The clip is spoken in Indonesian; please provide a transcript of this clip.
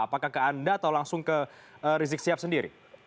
apakah ke anda atau langsung ke rizik sihab sendiri